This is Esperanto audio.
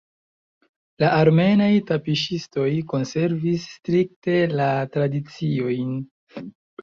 La armenaj tapiŝistoj konservis strikte la tradiciojn.